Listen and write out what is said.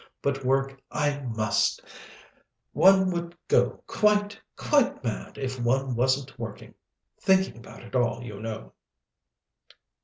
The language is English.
But work I must. One would go quite, quite mad if one wasn't working thinking about it all, you know."